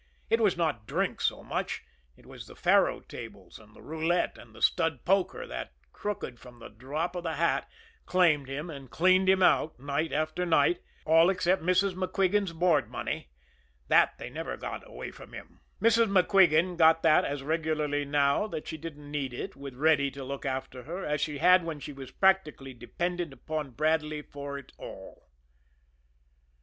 It was not drink so much; it was the faro tables and the roulette and the stud poker that, crooked from the drop of the hat, claimed him and cleaned him out night after night all except Mrs. MacQuigan's board money, that they never got away from, him. Mrs. MacQuigan got that as regularly now that she didn't need it with Reddy to look after her as she had when she was practically dependent upon Bradley for it all.